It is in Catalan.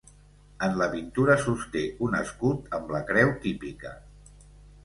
En la pintura, sosté un escut amb la creu típica.